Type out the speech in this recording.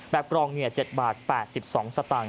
แบบกรองเหงียว๗บาท๘๒สตังค์